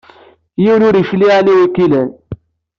Yiwen ur yecliɛ anwa i k-ilan.